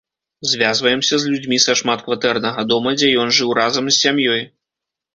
Звязваемся з людзьмі са шматкватэрнага дома, дзе ён жыў разам з сям'ёй.